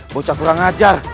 bocah kurang ajar